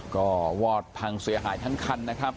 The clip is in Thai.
ก็วอดพังเสียหายทั้งคันนะครับ